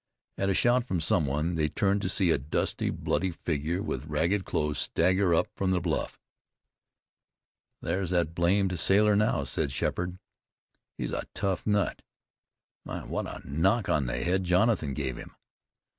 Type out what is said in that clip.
At a shout from some one they turned to see a dusty, bloody figure, with ragged clothes, stagger up from the bluff. "There's that blamed sailor now," said Sheppard. "He's a tough nut. My! What a knock on the head Jonathan gave him.